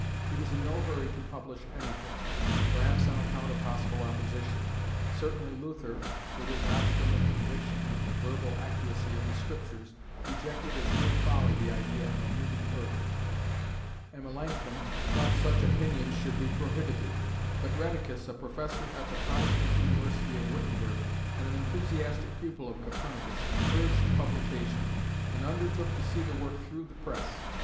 He was in no hurry to publish anything, perhaps on account of possible opposition. Certainly Luther, with his obstinate conviction of the verbal accuracy of the Scriptures, rejected as mere folly the idea of a moving earth, and Melanchthon thought such opinions should be prohibited, but Rheticus, a professor at the Protestant University of Wittenberg and an enthusiastic pupil of Copernicus, urged publication, and undertook to see the work through the press.